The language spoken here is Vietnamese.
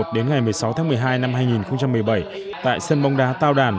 đến ngày một mươi sáu tháng một mươi hai năm hai nghìn một mươi bảy tại sân bóng đá tao đàn